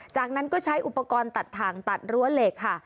จากนั้นก็ใช้อุปกรณ์ตัดถ่างตัดรั้วเหล็กค่ะ